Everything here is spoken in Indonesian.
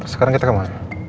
sekarang kita kemana